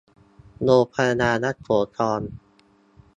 โรงพยาบาลยโสธร